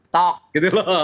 tok gitu loh